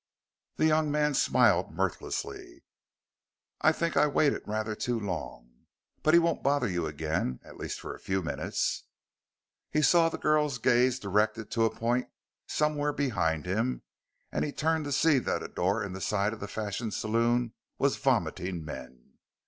The young man smiled mirthlessly. "I think I waited rather too long. But he won't bother you again at least for a few minutes." He saw the girl's gaze directed to a point somewhere behind him and he turned to see that a door in the side of the Fashion Saloon was vomiting men.